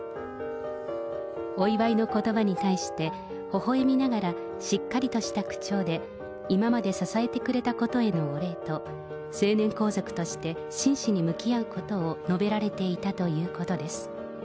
お祝いのことばに対してほほえみながら、しっかりとした口調で、今まで支えてくれたことへのお礼と、成年皇族として真摯に向き合うことを述べられていたということです。